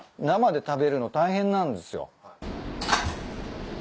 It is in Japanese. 生で食べるの大変なんですよ。